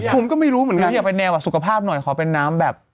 ผมก็ไม่รู้เหมือนกันอยากเป็นแนวสุขภาพหน่อยขอเป็นน้ำแบบ